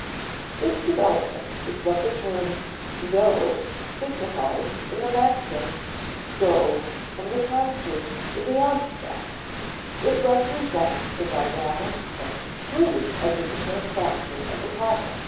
This development is what the term go signifies in the maxim "go from the concrete to the abstract"; it represents the dynamic and truly educative factor of the process.